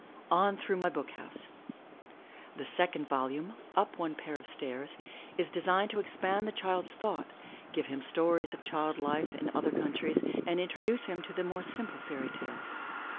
ON THROUGH MY BOOK HOUSE The second volume. Up One Pair of Stairs, is designed to ex pand the child's thought, give him stories of child life in other 215 MY BOOK HOUSE countries, and introduce to him the more simple fairy tales.